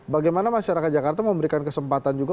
bagaimana masyarakat jakarta memberikan kesempatan juga